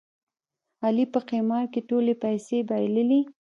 علي په قمار کې ټولې پیسې بایلولې.